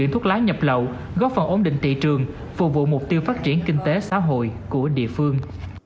thuốc lá nhập lậu góp phần ổn định thị trường phục vụ mục tiêu phát triển kinh tế xã hội của địa phương